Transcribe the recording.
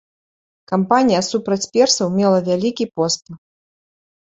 Кампанія супраць персаў мела вялікі поспех.